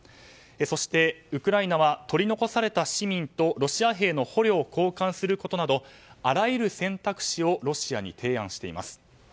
そして、ウクライナは取り残された市民とロシア兵の捕虜を交換するなどあらゆる選択肢をロシアに提案しています。